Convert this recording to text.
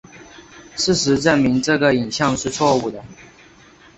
事实证明这个影像是错误的。